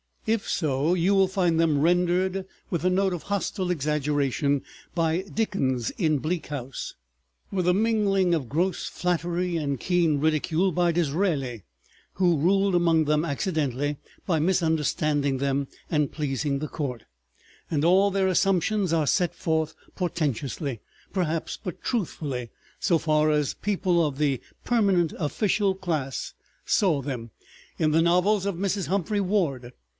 If so, you will find them rendered with a note of hostile exaggeration by Dickens in "Bleak House," with a mingling of gross flattery and keen ridicule by Disraeli, who ruled among them accidentally by misunderstanding them and pleasing the court, and all their assumptions are set forth, portentously, perhaps, but truthfully, so far as people of the "permanent official" class saw them, in the novels of Mrs. Humphry Ward.